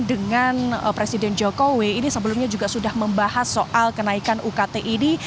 dengan presiden jokowi ini sebelumnya juga sudah membahas soal kenaikan ukt ini